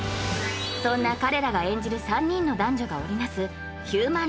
そんな彼らが演じる３人の男女が織り成すハーイ！